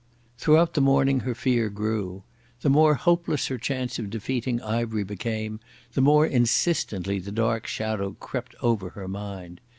Throughout the morning her fear grew. The more hopeless her chance of defeating Ivery became the more insistently the dark shadow crept over her mind.